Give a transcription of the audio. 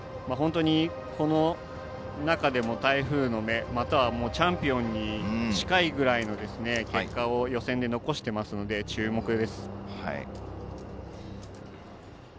この中でも台風の目またはチャンピオンに近いような結果を予選で残していますので注目です。